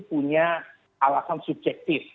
punya alasan subjektif